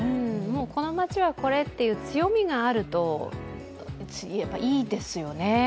この街はこれっていう強みがあると、いいですよね。